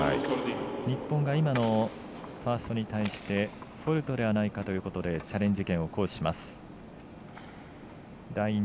日本が今のファーストに対してフォールトではないかということでチャレンジ権を行使します。